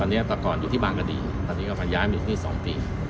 ตอนนี้แต่ก่อนอยู่ที่บางกดีตอนนี้ก็พอย้ายมาอยู่ที่๒ปี